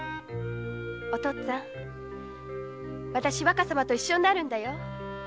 お父っつぁん私若様と一緒になるんだよ。